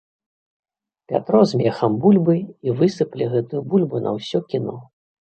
Пятро з мехам бульбы і высыпле гэтую бульбу на ўсё кіно.